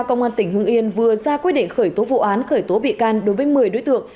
công an tỉnh hưng yên vừa ra quyết định khởi tố vụ án khởi tố bị can đối với một mươi đối tượng